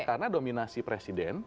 karena dominasi presiden